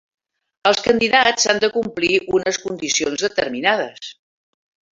Els candidats han de complir unes condicions determinades.